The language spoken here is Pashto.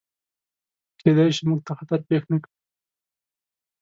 کیدای شي، موږ ته خطر پیښ نکړي.